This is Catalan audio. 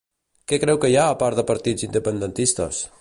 Què creu que hi ha a part de partits independentistes?